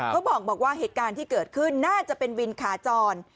เขาบอกว่าเหตุการณ์ที่เกิดขึ้นน่าจะเป็นวินขาจร